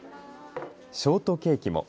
ショートケーキも。